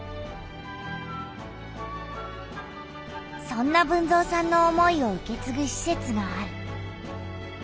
そんな豊造さんの思いを受けつぐしせつがある。